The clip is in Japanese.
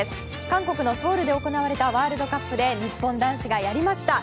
韓国のソウルで行われたワールドカップで日本男子がやりました。